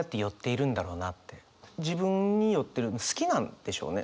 自分に酔ってる好きなんでしょうね。